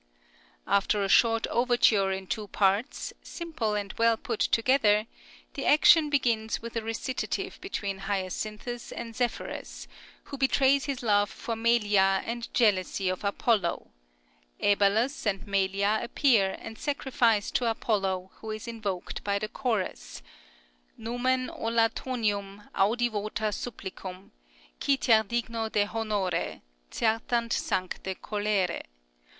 After a short overture in two parts, simple and well put together, the action begins with a recitative between Hyacinthus and Zephyrus, who betrays his love for Melia and jealousy of Apollo; Æbalus and Melia appear and sacrifice to Apollo, who is invoked by the chorus: Numen o Latonium Audi vota supplicum, Qui ter digno te honore Certant sancte colere.